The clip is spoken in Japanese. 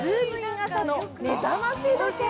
朝！の目覚まし時計。